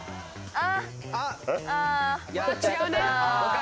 あ！